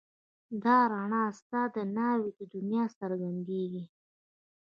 دا رڼا ستا د ناوې د دنيا درڅرګنديږي